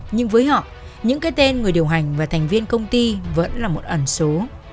nhưng với họ những cái tên người điều hành và thành viên công ty vẫn là một ẩn số